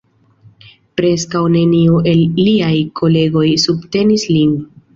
Preskaŭ neniu el liaj kolegoj subtenis lin.